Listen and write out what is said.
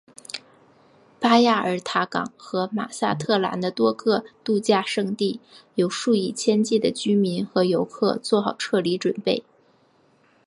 巴亚尔塔港和马萨特兰的多个度假胜地有数以千计的居民和游客做好撤离准备。